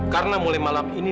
karena mulai malam ini